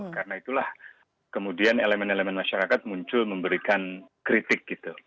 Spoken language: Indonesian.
karena itulah kemudian elemen elemen masyarakat muncul memberikan kritik